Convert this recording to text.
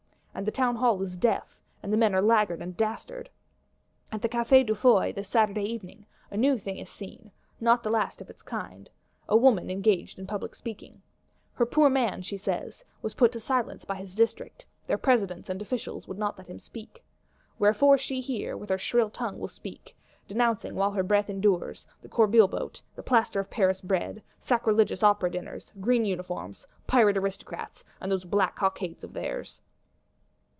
And the Townhall is deaf; and the men are laggard and dastard!—At the Café de Foy, this Saturday evening, a new thing is seen, not the last of its kind: a woman engaged in public speaking. Her poor man, she says, was put to silence by his District; their Presidents and Officials would not let him speak. Wherefore she here with her shrill tongue will speak; denouncing, while her breath endures, the Corbeil Boat, the Plaster of Paris bread, sacrilegious Opera dinners, green uniforms, Pirate Aristocrats, and those black cockades of theirs!